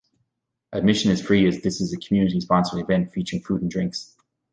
Admission is free as this is a community sponsored event featuring food and drinks.